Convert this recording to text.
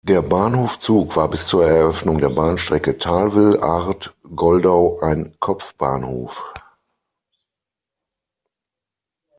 Der Bahnhof Zug war bis zur Eröffnung der Bahnstrecke Thalwil–Arth-Goldau ein Kopfbahnhof.